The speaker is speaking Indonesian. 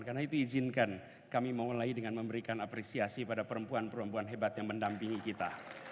karena itu izinkan kami mulai dengan memberikan apresiasi pada perempuan perempuan hebat yang mendampingi kita